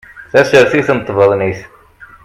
Tasertit n tbaḍnit